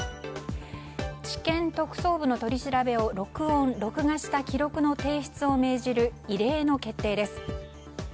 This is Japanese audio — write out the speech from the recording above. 地検特捜部の取り調べを録音・録画した記録の提出を命じる異例の決定です。